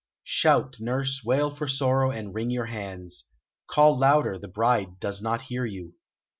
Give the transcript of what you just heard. Shout, nurse, wail for sorrow, and wring your hands. Call louder, the bride does not hear you.